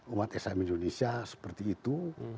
umat islam indonesia seperti itu